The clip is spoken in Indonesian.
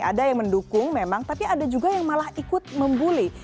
ada yang mendukung memang tapi ada juga yang malah ikut membuli